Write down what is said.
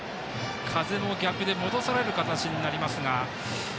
風も逆で戻される形になりますが。